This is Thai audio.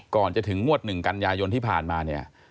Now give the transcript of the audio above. ก่อนจะถึงงวด๑กันยายนที่ผ่านมาเนี่ย